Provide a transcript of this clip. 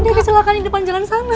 ada kecelakaan di depan jalan sana